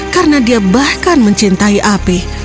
karena dia bahkan mencintai api